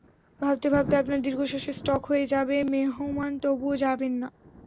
ভাবতে ভাবতে আপনার দীর্ঘশ্বাসের স্টক শেষ হয়ে যাবে, মেহমান তবুও যাবেন না।